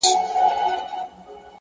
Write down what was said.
صبر د لوړو موخو تر ټولو قوي ملګری دی!.